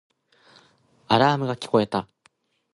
アラームが聞こえた